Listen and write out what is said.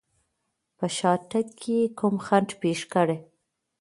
په شاتګ کې کوم خنډ پېښ کړي.